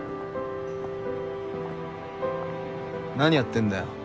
何やってんだよ。